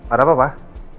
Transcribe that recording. ada apa pak